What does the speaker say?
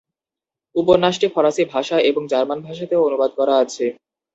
উপন্যাসটি ফরাসী ভাষা এবং জার্মান ভাষাতেও অনুবাদ করা আছে।